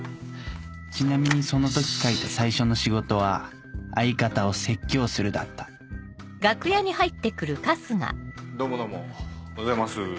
ちなみにその時書いた最初の仕事は「相方を説教する」だったどうもどうもおはようございます。